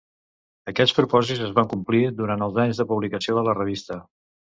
Aquests propòsits es van complir durant els anys de publicació de la revista.